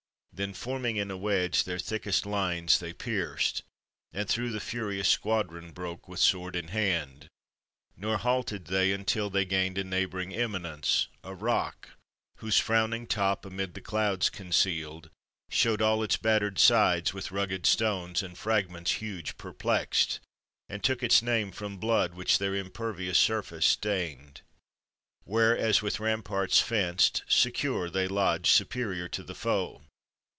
Then forming in a wedge, their thickest lines They pierced, and through the furious squadron broke With sword in hand; nor halted they until They gained a neighboring eminence, a rock, Whose frowning top, among the clouds concealed, Shewed all its battered sides with rugged stones And fragments huge perplexed, and took its name From blood which their impervious surface stained ; Where, as with ramparts fenced, secure they lodged, superior to the foe.